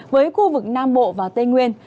với khu vực nam bộ và tây nguyên